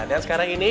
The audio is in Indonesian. dan sekarang ini